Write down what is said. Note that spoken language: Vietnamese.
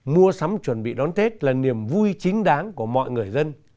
mua sắm chuẩn bị đón tết là niềm vui chính đáng của mọi người dân